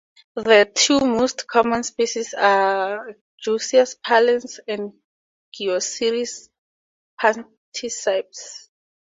The two most common species are "Geocoris pallens" and "Geocoris punctipes".